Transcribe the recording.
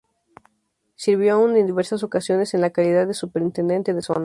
Sirvió aún en diversas ocasiones en calidad de superintendente de zona.